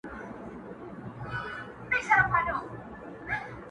o چي په لاسونو كي رڼا وړي څوك.